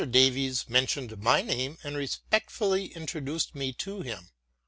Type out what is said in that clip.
Davies mentioned my name and respectfully introduced me to him.